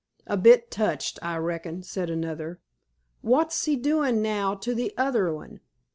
"A bit touched, I reckon," said another. "Wot's 'e doin' now to the other one?"